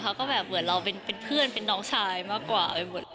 เขาก็แบบเหมือนเราเป็นเพื่อนเป็นน้องชายมากกว่าไปหมด